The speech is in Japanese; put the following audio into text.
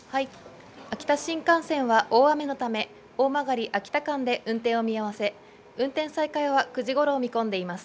秋田新幹線は大雨のため、大曲・秋田間で運転を見合わせ、運転再開は９時ごろを見込んでいます。